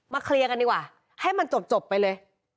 เคลียร์กันดีกว่าให้มันจบไปเลย